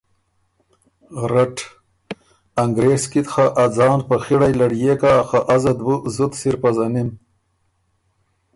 رټ: انګرېز کی ت خه ا ځان په خیړئ لړيېک هۀ خه ازت بُو زُت سِر پزنِم۔